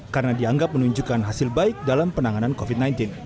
karena dianggap menunjukkan hasil baik dalam penanganan covid sembilan belas